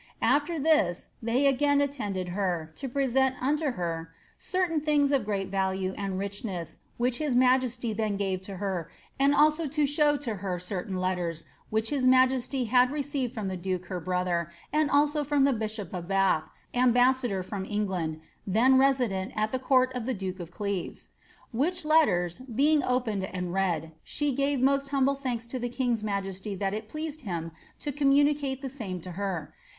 " After this, they again attended her, to present unto her ^ certain things of great value and richness, which his grace then gave to her, and also to show to her certain letters, which his majesty had received from the duke, her brother, and also frooi 'State Papers, vol. i. pp. 641, 642. Annm of olvtks. 969 the bishop of Bath, ambasfimlar from England, then resident at the court of the duke of €^eves. Which letters, being opened and read, she gave most humble thanks to the king^s majesty that it pleased him to com* ffiuoicate the same to her.